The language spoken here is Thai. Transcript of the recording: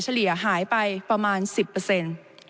เลี่ยหายไปประมาณสิบเปอร์เซ็นต์